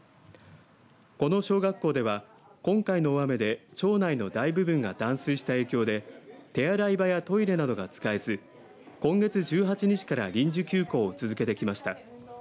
この小学校では今回の大雨で町内の大部分が断水した影響で手洗い場やトイレなどが使えず今月１８日から臨時休校を続けてきました。